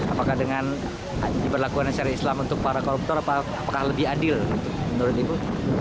apakah dengan diberlakukan syariah islam untuk para koruptor apakah lebih adil menurut ibu